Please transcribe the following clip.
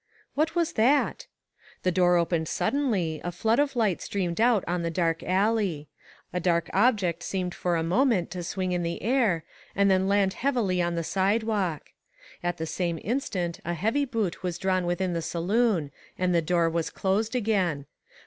What was that? The door opened suddenly, a flood of light streamed out on the dark alley. A dark object seemed for a moment to swing in the air, and then land heavily on the side walk. At the same instant a heavy boot was drawn within the saloon, and the door was closed again.